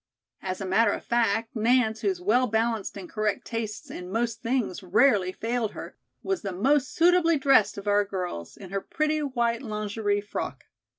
As a matter of fact, Nance, whose well balanced and correct tastes in most things rarely failed her, was the most suitably dressed of our girls, in her pretty white lingerie frock.